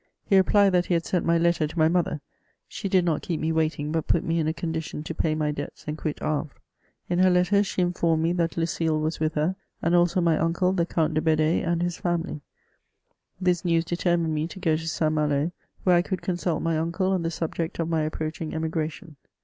He replied that he had sent my letter to my mother ; she did not keep me waiting, but put me in a condition to pay my debts and quit Havre. In her letter she informed me that Lucile was with'^h^, and also my uncle the Count de Bedee and his family. This news determined me to go to St. Malo, where I could con sult my uncle on the subject of my approaching emigration.